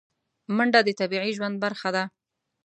منډه د طبیعي ژوند برخه ده